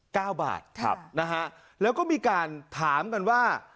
เก้าบาทครับนะฮะแล้วก็มีการถามกันว่า